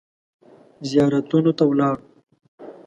زیارتونو ته ولاړو.